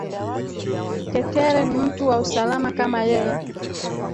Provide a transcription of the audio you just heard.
Tetere ni mtu wa usalama kama yeye